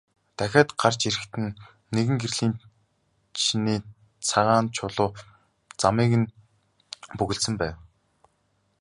Дахиад гарч ирэхэд нь нэгэн гэрийн чинээ цагаан чулуу замыг нь бөглөсөн байв.